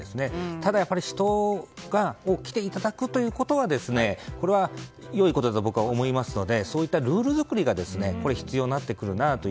ただ人に来ていただくというのは良いことだと僕は思いますのでそういったルール作りが必要になってくるなと。